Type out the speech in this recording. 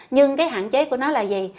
nhưng cái hạn chế của nó là gì